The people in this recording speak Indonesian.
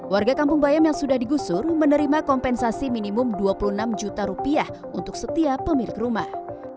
warga kampung bayam yang sudah digusur menerima kompensasi minimum dua puluh enam juta rupiah untuk setiap pemilik rumah